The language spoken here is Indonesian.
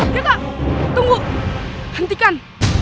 ya kak tunggu hentikan